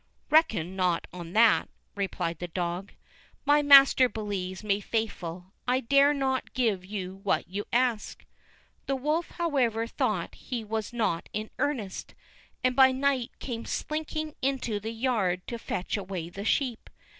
"Reckon not on that," replied the dog; "my master believes me faithful; I dare not give you what you ask." The wolf, however, thought he was not in earnest, and by night came slinking into the yard to fetch away the sheep.